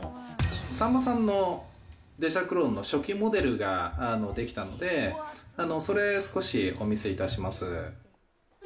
さんまさんのデジタルクローンの初期モデルが出来たので、それを少しお見せいたします。